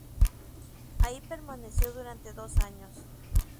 Ahí permaneció durante dos años.